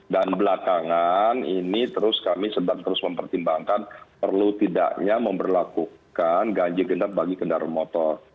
dan belakangan ini terus kami sedang terus mempertimbangkan perlu tidaknya memperlakukan ganjil genap bagi kendaraan motor